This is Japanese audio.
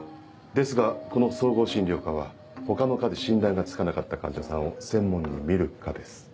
ですがこの総合診療科は他の科で診断がつかなかった患者さんを専門に診る科です。